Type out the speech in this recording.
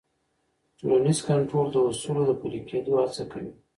ټولنیز کنټرول د اصولو د پلي کېدو هڅه کوي.